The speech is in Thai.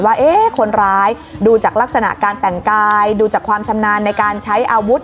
ว่าคนร้ายดูจากลักษณะการแต่งกายดูจากความชำนาญในการใช้อาวุธ